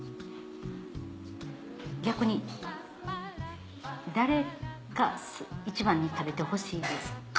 逆に誰が１番に食べてほしいですか？